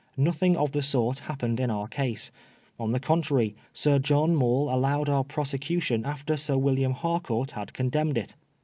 Nothing of the sort happened in our case. On the contrary, Sir John Maule allowed our prosecu tion after Sir William Harcourt had condemned it.